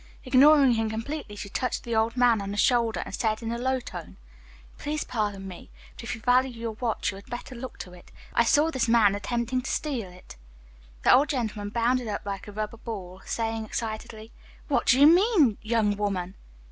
Ignoring him completely, she touched the old man on the shoulder and said in a low tone, "Please pardon me, but if you value your watch you had better look to it. I just saw this man attempting to steal it." The old gentleman bounded up like a rubber ball, saying excitedly, "What do you mean, young woman?"